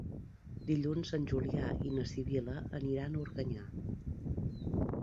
Dilluns en Julià i na Sibil·la aniran a Organyà.